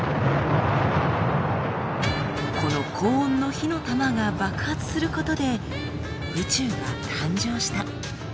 「この高温の火の玉が爆発することで宇宙が誕生した」。